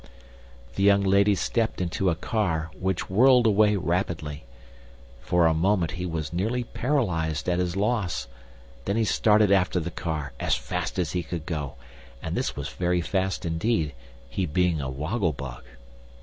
The young lady stepped into a car, which whirled away rapidly. For a moment he was nearly paralyzed at his loss; then he started after the car as fast as he could go, and this was very fast indeed he being a woggle bug.